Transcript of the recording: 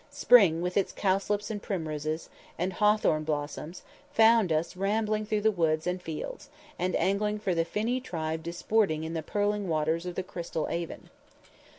Spring, with its cowslips and primroses, and hawthorn blossoms, found us rambling through the woods and fields, and angling for the finny tribe disporting in the purling waters of the crystal Avon.